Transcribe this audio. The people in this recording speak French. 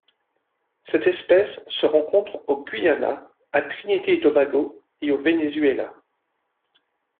Cette espèce se rencontre au Guyana, à Trinité-et-Tobago et au Venezuela.